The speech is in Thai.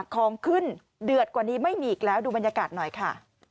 ของขึ้นเดือดกว่านี้ไม่มีอีกแล้วดูบรรยากาศหน่อยค่ะ